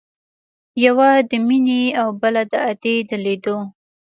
يوه د مينې او بله د ادې د ليدو.